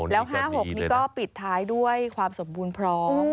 แล้ว๕๖นี้ก็ปิดท้ายด้วยความสมบูรณ์พร้อม